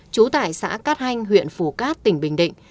trú tại xã cát hanh huyện phù cát tỉnh bình định